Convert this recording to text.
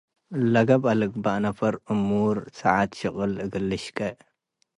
ለገብአ ልግበእ ነፈር እሙር ሳዓት ሽቅል እግል ልሽቄ፡